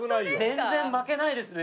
全然負けないですね